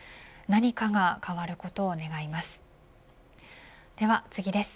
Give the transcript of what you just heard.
何かが変わることを願います。